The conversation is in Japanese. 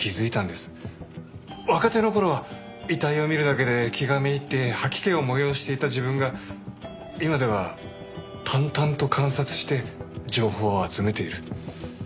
若手の頃は遺体を見るだけで気が滅入って吐き気を催していた自分が今では淡々と観察して情報を集めている。